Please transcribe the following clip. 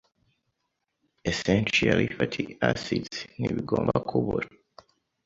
essential fatty acids ntibigomba kubura